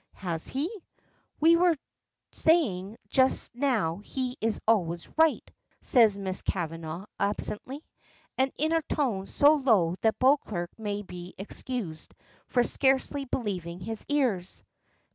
"Has he? We were saying just now he is always right," says Miss Kavanagh, absently, and in a tone so low that Beauclerk may be excused for scarcely believing his ears.